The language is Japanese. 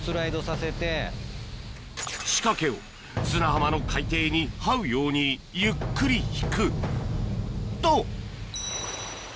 仕掛けを砂浜の海底に這うようにゆっくり引くと！